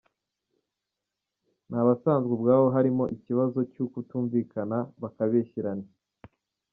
nabasanzwe ubwabo harimo ikibazo cyo kutumvikana ,bakabeshyerana .